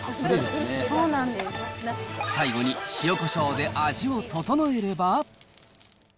最後に塩コショウで味を調えれば。